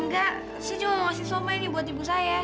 engga saya cuma mau kasih sumpah ini buat ibu saya